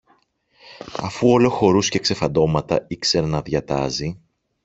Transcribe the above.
αφού όλο χορούς και ξεφαντώματα ήξερε να διατάζει